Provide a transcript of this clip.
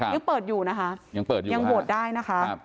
ยังเปิดอยู่นะคะยังโหวตได้นะคะ